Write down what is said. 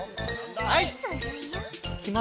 はい！